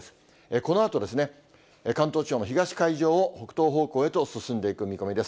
このあと、関東地方の東海上を北東方向へと進んでいく見通しです。